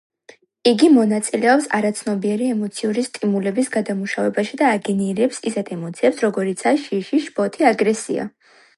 იგი მონაწილეობს არაცნობიერი ემოციური სტიმულების გადამუშავებაში და აგენერირებს ისეთ ემოციებს, როგორიცაა: შიში, შფოთი, აგრესია.